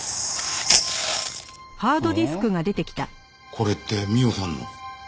これって美緒さんの。